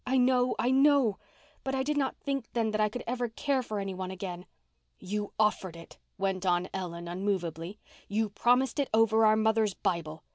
"I know—I know. But I did not think then that I could ever care for anyone again." "You offered it," went on Ellen unmovably. "You promised it over our mother's Bible.